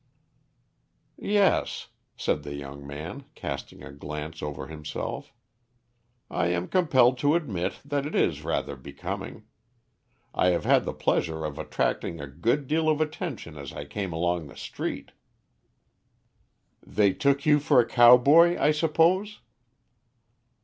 "Yes," said the young man, casting a glance over himself; "I am compelled to admit that it is rather becoming. I have had the pleasure of attracting a good deal of attention as I came along the street." "They took you for a cowboy, I suppose?"